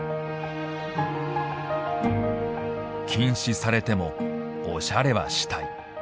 禁止されてもおしゃれはしたい。